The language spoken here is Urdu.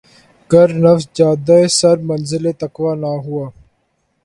گر نفس جادہٴ سر منزلِ تقویٰ نہ ہوا